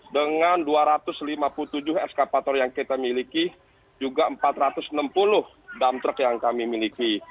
dengan dua ratus lima puluh tujuh eskavator yang kita miliki juga empat ratus enam puluh dump truck yang kami miliki